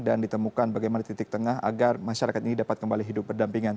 dan ditemukan bagaimana titik tengah agar masyarakat ini dapat kembali hidup berdampingan